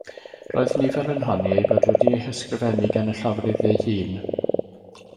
Roedd nifer yn honni eu bod wedi eu hysgrifennu gan y llofrudd ei hun.